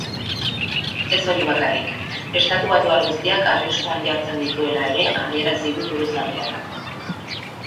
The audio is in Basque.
Ez hori bakarrik, estatubatuar guztiak arriskuan jartzen dituela ere adierazi du buruzagiak.